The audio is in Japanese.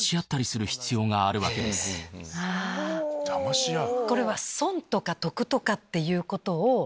だまし合う！